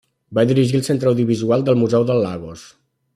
Va dirigir el Centre audiovisual del museu de Lagos.